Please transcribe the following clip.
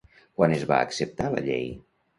Quan es va acceptar la llei?